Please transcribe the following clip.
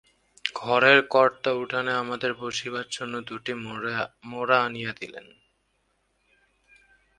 ঘরের কর্তা উঠানে আমাদের বসিবার জন্য দুটি মোড়া আনিয়া দিলেন।